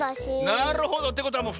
なるほど！ってことはもう２つきえた。